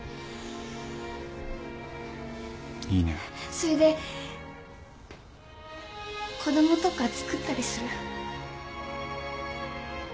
それで子供とかつくったりする？